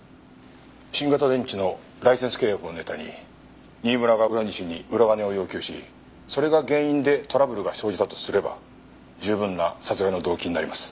新型電池のライセンス契約をネタに新村が浦西に裏金を要求しそれが原因でトラブルが生じたとすれば十分な殺害の動機になります。